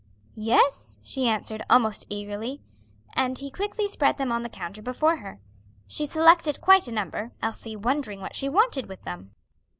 "Yes," she answered almost eagerly, and he quickly spread them on the counter before her. She selected quite a number, Elsie wondering what she wanted with them.